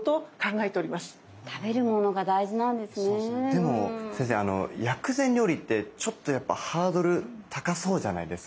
でも先生薬膳料理ってちょっとハードル高そうじゃないですか？